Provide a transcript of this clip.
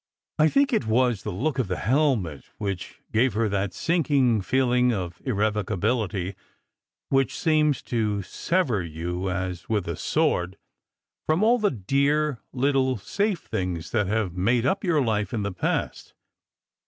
I think it was the look of the helmet which gave her that sinking feeling of irrevocability which seems to sever you, as with a sword, from all the dear little safe things that have made up your life in the past.